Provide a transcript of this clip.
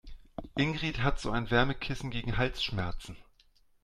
Ingrid hat so ein Wärmekissen gegen Halsschmerzen.